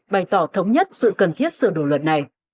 bày tỏ thống nhất sự cần thiết sửa đổi luật này